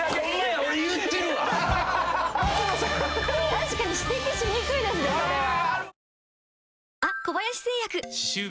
確かに指摘しにくいですねそれは。